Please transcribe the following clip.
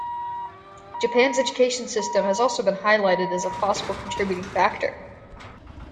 Japan's education system has also been highlighted as a possible contributing factor.